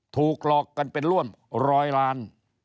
ถูกหลอกกันเป็นร่วมร้อยล้าน